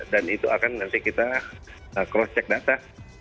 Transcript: dan itu akan nanti kita cross check data